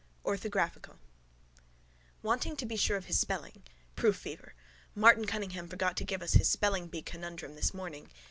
ORTHOGRAPHICAL Want to be sure of his spelling. Proof fever. Martin Cunningham forgot to give us his spellingbee conundrum this morning.